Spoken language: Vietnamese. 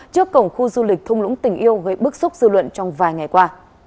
trước cổng khu du lịch thung lũng tình yêu gây bức xúc dư luận trong vài ngày qua